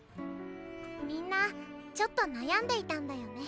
みんなちょっと悩んでいたんだよね。